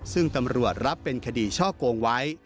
ซึ่งตำรวจรับเป็นคดีช่อโกงไว้